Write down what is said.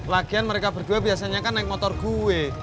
lagian mereka berdua biasanya kan naik motor gue